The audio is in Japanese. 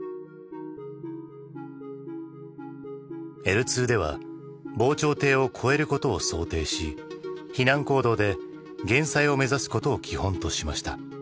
Ｌ２では防潮堤を越えることを想定し避難行動で減災を目指すことを基本としました。